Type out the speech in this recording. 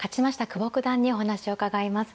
久保九段にお話を伺います。